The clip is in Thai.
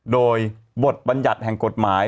โดยบทบัญญัติแห่งกฎหมาย